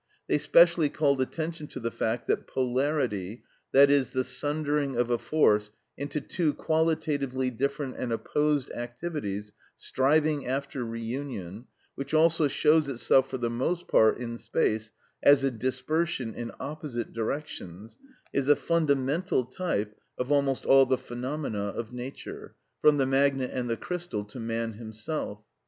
They specially called attention to the fact that polarity, that is, the sundering of a force into two qualitatively different and opposed activities striving after reunion, which also shows itself for the most part in space as a dispersion in opposite directions, is a fundamental type of almost all the phenomena of nature, from the magnet and the crystal to man himself.